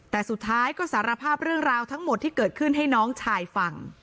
แต่สุดท้ายก็สารภาพเรื่องราวทั้งหมดที่เกิดขึ้นให้น้องชายฟัง